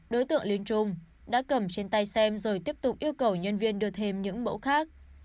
đối tượng link trung đã cầm trên tay xem rồi tiếp tục yêu cầu nhân viên đưa thêm những mẫu khác